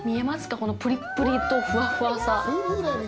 このプリップリとふわふわさ！